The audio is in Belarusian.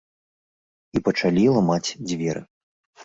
І пачалі ламаць дзверы.